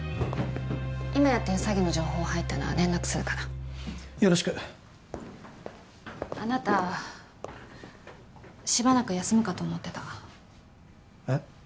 今やってる詐欺の情報入ったら連絡するからよろしくあなたしばらく休むかと思ってたえっ？